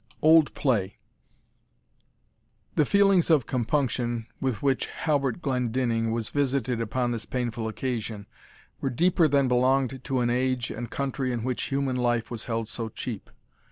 OLD PLAY. The feelings of compunction with which Halbert Glendinning was visited upon this painful occasion, were deeper than belonged to an age and country in which human life was held so cheap.